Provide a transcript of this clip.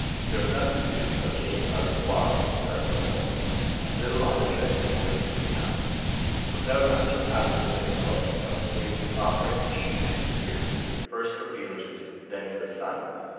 There was nothing to do but get in out of the lock and start for home, and little on the trip is worthy of recounting. Without unsurpassable difficulty, I was able to operate the machinery and steer, first for Betelguese, then for the sun.